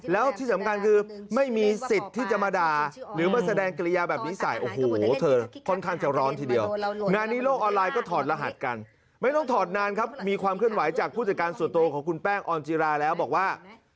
แล้วที่สำคัญคือไม่มีสิทธิ์ที่จะมาด่า